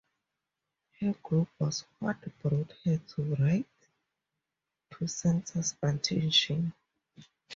Her group was what brought her to Right to Censor's attention.